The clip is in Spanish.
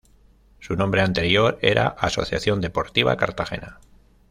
Su nombre anterior era Asociación Deportiva Cartagena.